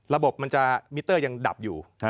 ระบบมันจะมิเตอร์ยังดับอยู่